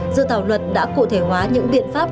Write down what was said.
dự thảo luật đã cụ thể hóa những biện pháp